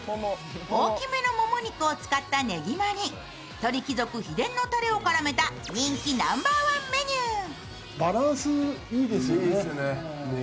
大きめのもも肉を使ったねぎまに鳥貴族秘伝のタレを絡めた人気ナンバーワンメニュー。